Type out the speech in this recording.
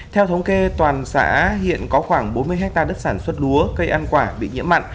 theo thống kê toàn xã hiện có khoảng bốn mươi hectare đất sản xuất lúa cây ăn quả bị nhiễm mặn